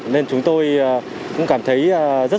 nên chúng tôi cũng cảm thấy rất là tốt